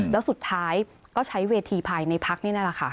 แล้วสุดท้ายก็ใช้เวทีภายในพักนี่นั่นแหละค่ะ